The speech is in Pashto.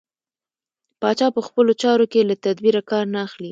پاچا په خپلو چارو کې له تدبېره کار نه اخلي.